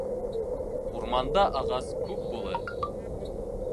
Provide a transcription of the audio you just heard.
Урманда ағас күп булыр